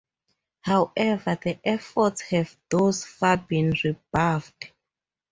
However, the efforts have thus far been rebuffed.